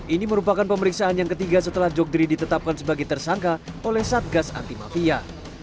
ini merupakan pemeriksaan yang ketiga setelah jogdri ditetapkan sebagai tersangka oleh satgas anti mafia